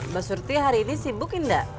mbak surti hari ini sibuk nggak